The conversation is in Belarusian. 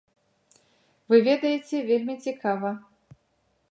Вы ведаеце, вельмі цікава.